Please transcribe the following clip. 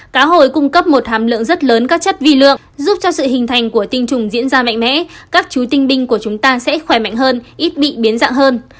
cá hồi cung cấp một hàm lượng rất lớn các chất vi lượng giúp cho sự hình thành của tinh trùng diễn ra mạnh mẽ các chú tinh binh của chúng ta sẽ khỏe mạnh hơn ít bị biến dạng hơn